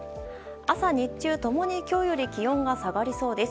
朝、日中共に今日より気温が下がりそうです。